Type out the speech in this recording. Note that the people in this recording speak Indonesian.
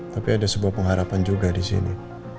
tapi ada sebuah pengharapan juga disini